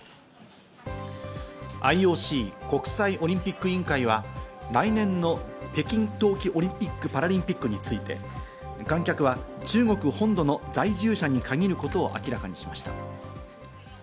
ＩＯＣ＝国際オリンピック委員会は来年の北京冬季オリンピック・パラリンピックについて観客は中国本土の在住者に限ることを明らかにしました。